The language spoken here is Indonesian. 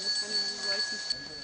masa untuk memperbaiki perubatan di bali